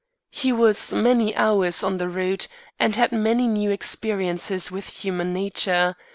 He was many hours on the route and had many new experiences with human nature.